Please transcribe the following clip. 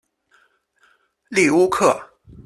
利乌克。